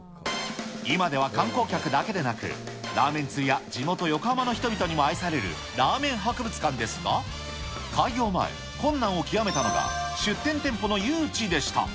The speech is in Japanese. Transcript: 今では観光客だけでなく、ラーメン通や地元横浜の人々にも愛されるラーメン博物館ですが、開業前、困難を極めたのが、出店店舗の誘致でした。